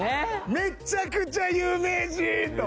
めちゃくちゃ有名人！と思って。